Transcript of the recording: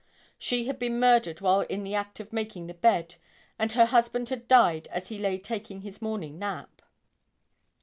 She had been murdered while in the act of making the bed and her husband had died as he lay taking his morning nap.